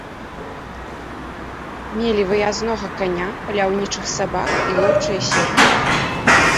Мелі выязнога каня, паляўнічых сабак і лоўчыя сеткі.